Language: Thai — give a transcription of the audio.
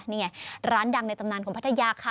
นี่ไงร้านดังในตำนานของพัทยาค่ะ